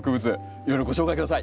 いろいろご紹介下さい。